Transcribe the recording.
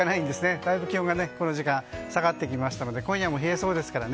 だいぶ気温がこの時間下がってきましたので今夜も冷えそうですからね。